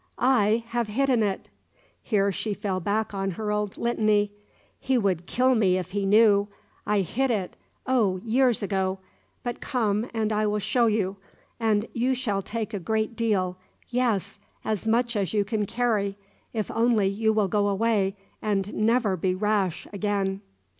I have hidden it!" Here she fell back on her old litany. "He would kill me if he knew ... I hid it oh, years ago! But come, and I will show you; and you shall take a great deal yes, as much as you can carry if only you will go away, and never be rash again."